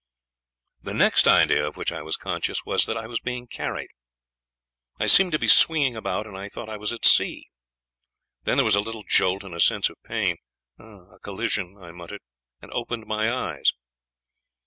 "The next idea of which I was conscious was that I was being carried. I seemed to be swinging about, and I thought I was at sea. Then there was a little jolt and a sense of pain. 'A collision,' I muttered, and opened my eyes.